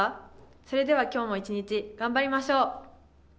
それでは今日も一日、頑張りましょう。